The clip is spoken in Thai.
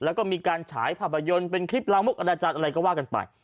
แล้วก็มีการฉายภาพยนตร์เป็นคลิปลามกอนาจารย์อะไรก็ว่ากันไป